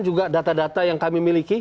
juga data data yang kami miliki